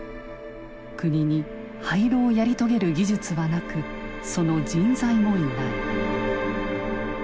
国に廃炉をやり遂げる技術はなくその人材もいない。